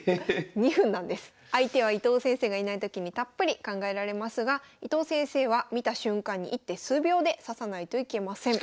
相手は伊藤先生がいない時にたっぷり考えられますが伊藤先生は見た瞬間に１手数秒で指さないといけません。